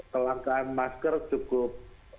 kelangkaan masker cukup